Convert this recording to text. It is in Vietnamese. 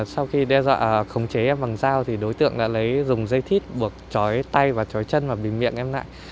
sau khi đe dọa khống chế em bằng dao thì đối tượng đã lấy dùng dây thít buộc chói tay và chói chân vào bình miệng em lại